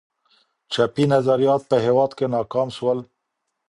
چپي نظریات په هېواد کي ناکام سول.